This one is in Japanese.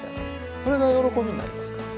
これが喜びになりますから。